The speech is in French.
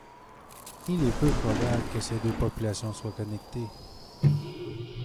Il est peu probable que ces deux populations soient connectées.